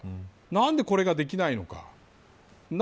何でこれができないのか。